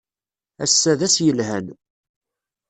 Ass-a d ass yelhan.